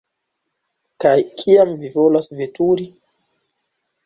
Kaj kiam vi volas veturi?